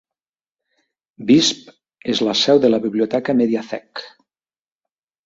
Visp és la seu de la biblioteca "Mediathek".